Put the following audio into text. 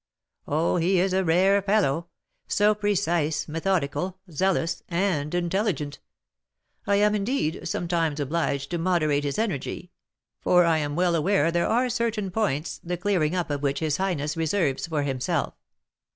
"Oh, he is a rare fellow! so precise, methodical, zealous, and intelligent! I am, indeed, sometimes obliged to moderate his energy; for I am well aware there are certain points, the clearing up of which his highness reserves for himself."